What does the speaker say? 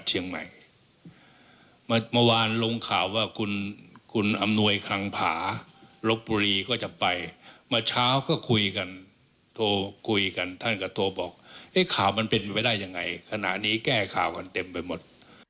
ท่านก็โทรบอกข่าวมันเป็นไปได้อย่างไรขณะนี้แก้ข่าวกันเต็มไปหมด